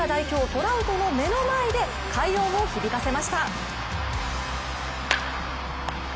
・トラウトの目の前で快音を響かせました。